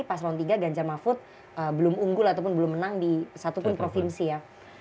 paslon tiga ganjar mafud belum unggul ataupun belum menang di satupun provinsi ya